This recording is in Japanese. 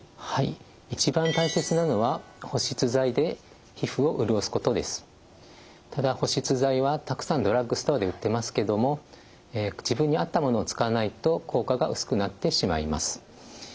一番大切なのはただ保湿剤はたくさんドラッグストアで売ってますけども自分に合ったものを使わないと効果が薄くなってしまいます。